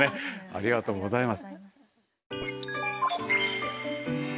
ありがとうございます。